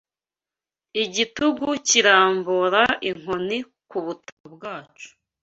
Igitugu kirambura inkoni ku butaka bwacu